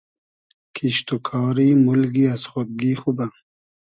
کیشت و کاری مولگی از خۉدگی خوبۂ